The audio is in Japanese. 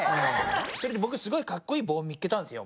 それでぼくすごいかっこいい棒を見つけたんですよ。